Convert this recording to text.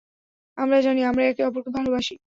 আমরা জানি আমরা একে-অপরকে ভালোবাসি।